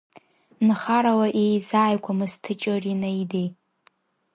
Нхаралаиеизааигәамызт ТыҷыриНаидеи.